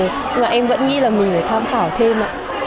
nhưng mà em vẫn nghĩ là mình phải tham khảo thêm ạ